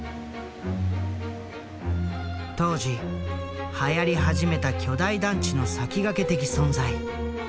当時はやり始めた巨大団地の先駆け的存在。